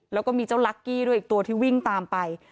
แล้วก็มีเจ้าลักกี้ด้วยอีกตัวที่วิ่งตามไป